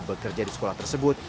bekerja di sekolah tersebut